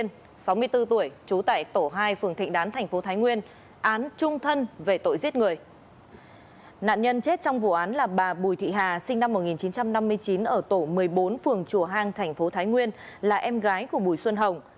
bùi thị hà sinh năm một nghìn chín trăm năm mươi chín ở tổ một mươi bốn phường chùa hang tp thái nguyên là em gái của bùi xuân hồng